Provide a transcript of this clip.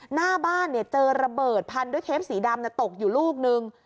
หน้าบ้านเจอระเบิดพันด้วยเทปสีดำตกอยู่ลูกนึง